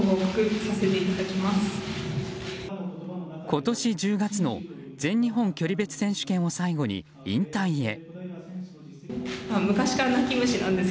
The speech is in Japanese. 今年１０月の全日本距離別選手権を最後に引退へ。